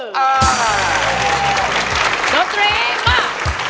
โน้ตรีมา